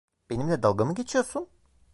Benimle dalga mı geçiyorsun?